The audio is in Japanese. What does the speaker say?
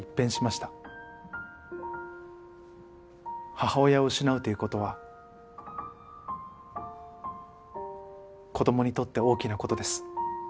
母親を失うという事は子どもにとって大きな事です。